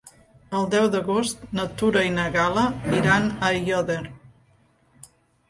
El deu d'agost na Tura i na Gal·la iran a Aiòder.